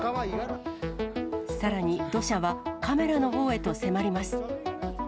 さらに、土砂はカメラのほうへと迫ります。